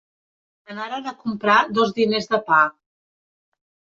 Anaren a comprar dos diners de pa.